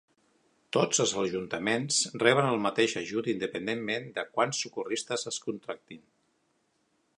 Tots els ajuntaments reben el mateix ajut independentment de quants socorristes es contractin.